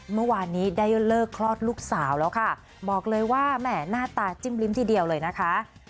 เมื่อวานนี้ได้เลิกคลอดลูกสาวแล้วค่ะบอกเลยว่าแหม่หน้าตาจิ้มลิ้มทีเดียวเลยนะคะ